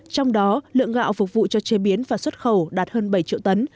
trong đó lượng gạo phục vụ cho chế biến và xuất khẩu đạt hơn bảy triệu tấn